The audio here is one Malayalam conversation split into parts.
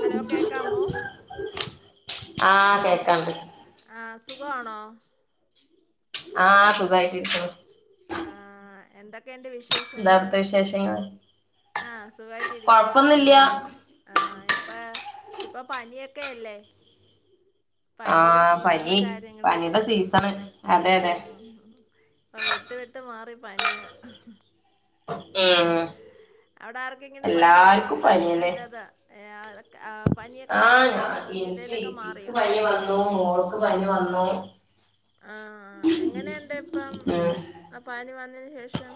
ഹലോ കേക്കാമോ? ആഹ് കേക്കാം കേ ആഹ് സുഖം ണോ ആഹ് സുഖായിട്ടിരിക്കുണു ആഹ് എന്തൊ ന്താ അവിട്തെ വിശേഷങ്ങള് ആഹ് സുഖമായിട്ടിരിക്കുന്ന് കൊഴപ്പൊന്നുല്ല ആഹ് ആഹ് ഇപ്പേ ഇപ്പൊ പനിയൊക്കെ അല്ലേ പനിയുടെ ആഹ് പനി സീസണും കാര്യങ്ങൾ പനിടെ സീസണ് അതെ അതെ ആ വെട്ട് വെട്ട് മാറി പനിയാ ഉം അവിടെ ആർക്കെങ്കിലും പനിവല്ലോം എല്ലാർക്കും വന്നാ പനിയന്നെ വല്ലതാ ആ ഏ അതൊക്ക ആഹ് ഇൻക്ക് ഇക്ക് മാറിയോ പനി വന്നൂ മോൾക്ക് പനി വന്നൂ ആഹ് എങ്ങനെയുണ്ട് ഇപ്പം ഉം അപാനി വന്നേന് ശേഷം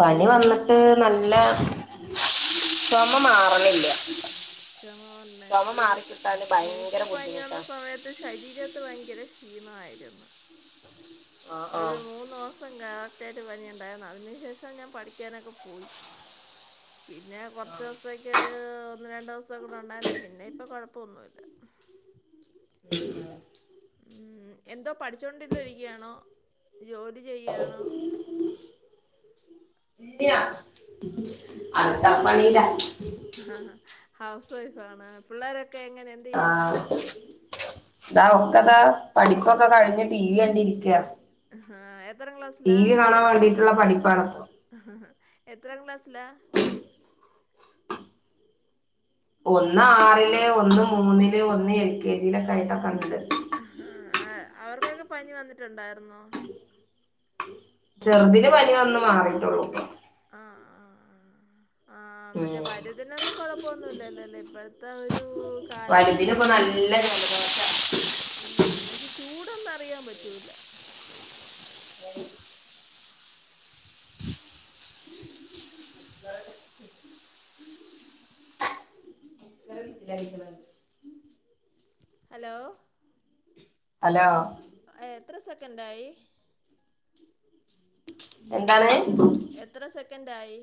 പനി വന്നിട്ട് നല്ല ചൊമമാറണില്ല ചൊമ വന്നെൻ എനി ഭയങ്കര എനിക്ക് പനി വന്ന ബുദ്ധിമുട്ടാ സമയത്ത് ശരീരത്ത് ഭയങ്കര ക്ഷീണവായിരുന്നു ആഹ് ഒരു ആഹ് മൂന്ന് മാസം കറക് ക്റ്റായിട്ട് പനി ഉണ്ടായിരുന്നു അതിനു ശേഷം ഞാൻ പഠിക്കാനൊക്കെ പോയി പിന്നെ കൊർച്ച്സൊക്കെര് ഒന്ന് രണ്ടു ദിവസൊക്കെ കൂടെ ഉണ്ടായിരുന്ന് പിന്നെ ഇപ്പൊ കുഴപ്പൊന്നുല്ല ഉം എന്തോ പഠിച്ചോണ്ടില്ല ഇരിക്കയാണോ ജോലി ചെയ്യാണോ ഇല്ല്യ അടുക്കള ആ പണീലാ ഹൗസ് വൈഫാണ് പുള്ളേരൊക്കെ എങ്ങനെ എന്ത് ചെയ്യുന്ന് താ ഒക്കതാ പഠിപ്പൊക്കെ കഴിഞ്ഞ് ടി വി കണ്ടി ഇരിക്കാ ആ, എത്രാം ടി ക്ലാസ്സിലാ വി കാണാൻ വേണ്ടീട്ടുള്ള പഠിപ്പാണ് എത്രാം ക്ലാസ്സിലാ? ഒന്ന് ആറില്, ഒന്ന് മൂന്നില്, ഒന്ന് എൽ കെ ജിയിലൊക്കെ ആയിട്ടൊക്കെ ഇണ്ട്. ആഹ് അവർക്കൊക്കെ പനി വന്നിട്ടുണ്ടായിരുന്നോ? ചെറുതിന് പനി വന്ന് മാറിട്ടോള്ളൂ ആഹ് അ ഉം മറ്റേ വലുതിനൊന്നും കൊഴപ്പൊന്നുല്ലല്ലോല്ലേ ഇപ്പഴ്ത്തെ ഒരു വലുതിന് കാലാവസ്ഥയും ഇപ്പോ കാര്യങ്ങളും നല്ല ജലദോഷ ഉം പക്ഷെ ചൂടൊന്നും അറിയാൻ പറ്റൂല്ല ഹലോ ഹലോ ആഹ് എത്ര സെക്കൻഡായി. എന്താണ്? എത്ര സെക്കൻഡായി?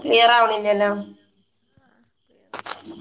ക്ലിയറാവണില്ലല്ലോ? ആ ആവുന്നില്ല